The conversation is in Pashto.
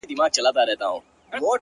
خدايه هغه زما د کور په لار سفر نه کوي،